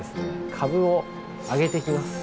かぶを揚げていきます。